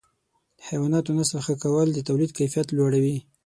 د حیواناتو نسل ښه کول د تولید کیفیت لوړوي.